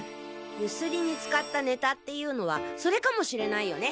ゆすりに使ったネタっていうのはそれかもしれないよね？